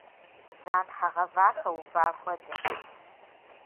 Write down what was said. Бдзантхьэ гъэва хэува хуэдэщ.